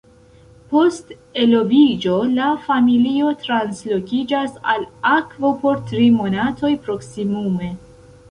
Post eloviĝo la familio translokiĝas al akvo por tri monatoj proksimume.